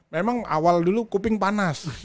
memang awal dulu kuping panas